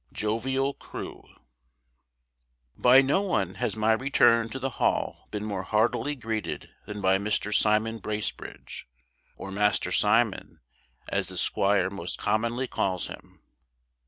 JOVIAL CREW. By no one has my return to the Hall been more heartily greeted than by Mr. Simon Bracebridge, or Master Simon, as the squire most commonly calls him.